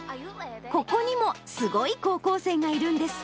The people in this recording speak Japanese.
ここにもすごい高校生がいるんです。